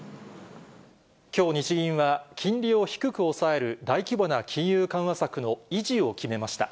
きょう日銀は、金利を低く抑える大規模な金融緩和策の維持を決めました。